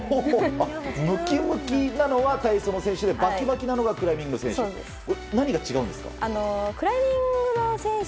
ムキムキなのは体操選手でバキバキなのがクライミングの選手。